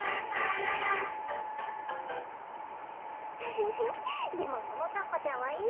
フフフでもももかっぱちゃんはいいよね。